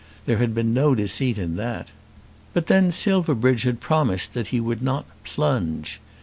There had been no deceit in that. But then Silverbridge had promised that he would not "plunge."